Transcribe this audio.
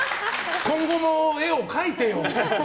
今後も絵を描いてよ。